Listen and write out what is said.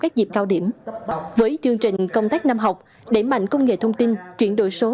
các dịp cao điểm với chương trình công tác năm học đẩy mạnh công nghệ thông tin chuyển đổi số